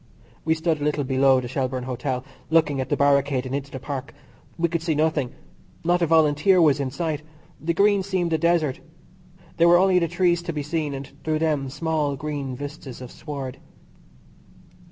We stood a little below the Shelbourne Hotel, looking at the barricade and into the Park. We could see nothing. Not a Volunteer was in sight. The Green seemed a desert. There were only the trees to be seen, and through them small green vistas of sward.